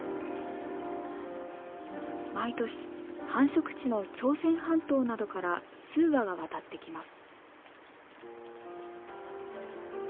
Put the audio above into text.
毎年繁殖地の朝鮮半島などから数羽が渡ってきます。